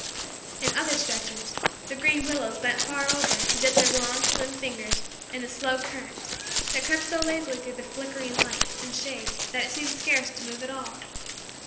In other stretches, the green willows bent far over to dip their long, slim, fingers in the slow current that crept so lazily through the flickering light and shade that it seemed scarce to move at all.